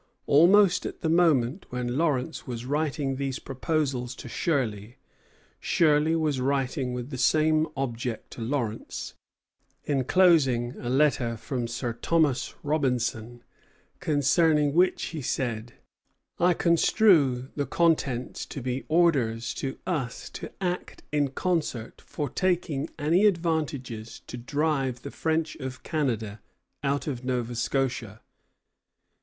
Almost at the moment when Lawrence was writing these proposals to Shirley, Shirley was writing with the same object to Lawrence, enclosing a letter from Sir Thomas Robinson, concerning which he said: "I construe the contents to be orders to us to act in concert for taking any advantages to drive the French of Canada out of Nova Scotia.